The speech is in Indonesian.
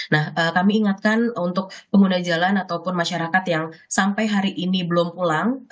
nah kami ingatkan untuk pengguna jalan ataupun masyarakat yang sampai hari ini belum pulang